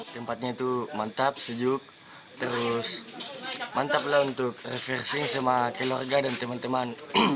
tempatnya itu mantap sejuk terus mantap lah untuk reversing sama keluarga dan teman teman